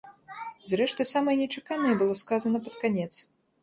Зрэшты, самае нечаканае было сказана пад канец.